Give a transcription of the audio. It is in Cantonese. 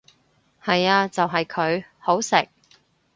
係呀就係佢，好食！